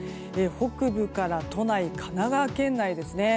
北部から都内神奈川県内ですね。